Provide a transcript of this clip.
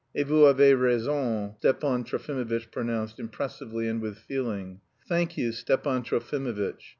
"Et vous avez raison," Stepan Trofimovitch pronounced, impressively and with feeling. "Thank you, Stepan Trofimovitch.